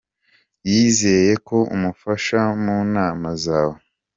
Yizeye ko umufasha mu nama zawe.